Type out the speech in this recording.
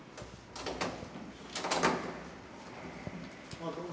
あどうも。